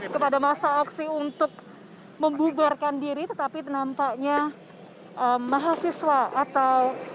kepada masa aksi untuk membubarkan diri tetapi nampaknya mahasiswa atau